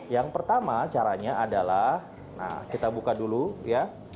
yang pertama caranya adalah kita buka dulu ya